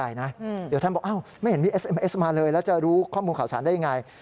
แล้วจะรู้ข้อมูลข่าวสารได้อย่างไร